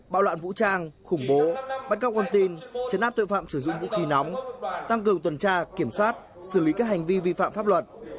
bạo loạn vũ trang khủng bố bắt cóc con tin chấn áp tội phạm sử dụng vũ khí nóng tăng cường tuần tra kiểm soát xử lý các hành vi vi phạm pháp luật